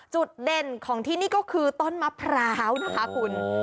จุดเด่นของที่นี่ก็คือต้นมะพร้าวนะคะคุณ